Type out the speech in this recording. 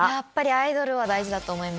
アイドルは大事だと思います。